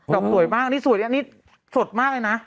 อกสวยมากนี่สวยอันนี้สดมากเลยนะ